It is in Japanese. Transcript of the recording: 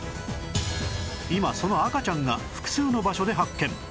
今その赤ちゃんが複数の場所で発見